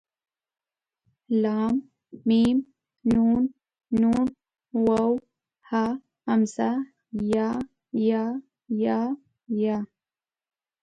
ل م ن ڼ و ه ء ی ي ې ۍ ئ